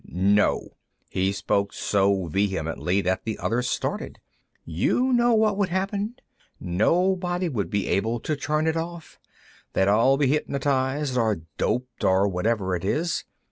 "No!" He spoke so vehemently that the others started. "You know what would happen? Nobody would be able to turn it off; they'd all be hypnotized, or doped, or whatever it is.